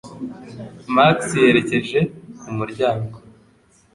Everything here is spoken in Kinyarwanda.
Max yerekeje ku muryango